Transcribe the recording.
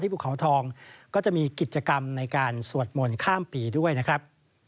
ภูเขาทองก็จะมีกิจกรรมในการสวดมนต์ข้ามปีด้วยนะครับ